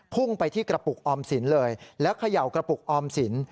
พุ่งไปที่กระปุกออมสินเลยแล้วเขย่ากระปุกออมสิน